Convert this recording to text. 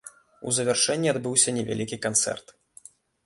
У завяршэнні адбыўся невялікі канцэрт.